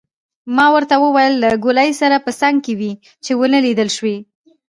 ما ورته وویل: له ګولایي سره په څنګ کې وې، چې ونه لیدل شوې.